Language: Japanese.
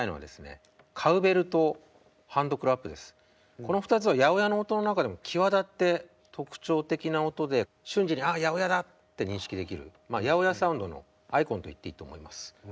この２つは８０８の音の中でも際立って特徴的な音で瞬時に８０８だって認識できる８０８サウンドのアイコンと言っていいと思います。